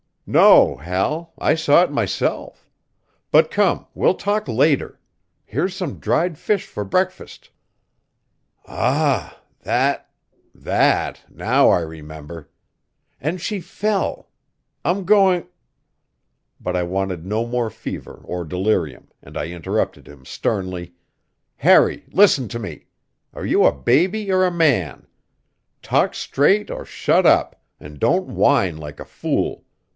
"No, Hal; I saw it myself. But come, we'll talk later. Here's some dried fish for breakfast." "Ah! That that now I remember! And she fell! I'm going " But I wanted no more fever or delirium, and I interrupted him sternly: "Harry! Listen to me! Are you a baby or a man? Talk straight or shut up, and don't whine like a fool.